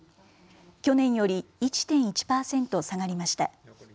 去年より１．１％下がりました。